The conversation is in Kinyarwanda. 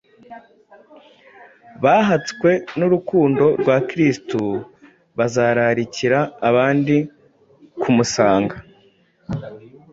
Bahaswe n’urukundo rwa Kristo, bazararikira abandi kumusanga.